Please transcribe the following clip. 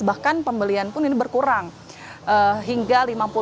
bahkan pembelian pun ini berkurang hingga lima puluh